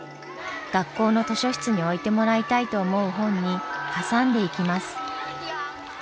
学校の図書室に置いてもらいたいと思う本に挟んでいきます。